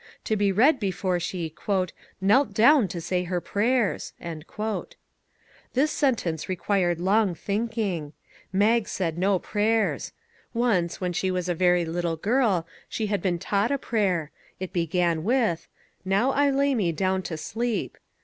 To be read before she " knelt down to say her prayers !" 35 MAG AND MARGARET This sentence required long thinking. Mag said no prayers. Once, when she was a very little girl, she had been taught a prayer. It began with :" Now I lay me down to sleep."